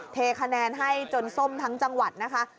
เทคะแนนให้จนส้มทั้งจังหวัดนะคะ